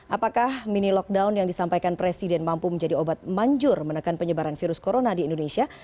apakah mini lockdown yang disampaikan presiden mampu menjadi obat manjur menekan penyebaran virus corona di indonesia